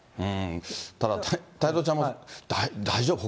ただ、太蔵ちゃんも大丈夫？